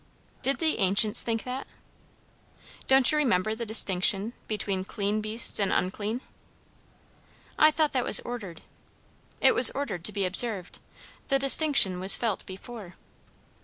"Did the ancients think that?" "Don't you remember the distinction between clean beasts and unclean?" "I thought that was ordered." "It was ordered to be observed. The distinction was felt before."